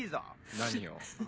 何よ？